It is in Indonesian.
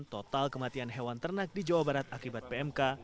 total kematian hewan ternak di jawa barat akibat pmk